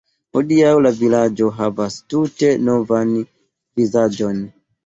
Hodiaŭ la vilaĝo havas tute novan vizaĝon.